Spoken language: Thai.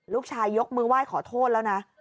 ลูกชายยกมือว่ายขอโทษแล้วนะ